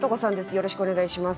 よろしくお願いします。